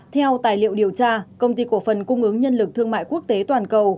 theo tài liệu điều tra công ty cổ phần cung ứng nhân lực thương mại quốc tế toàn cầu